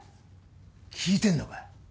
聞いてんのかよ。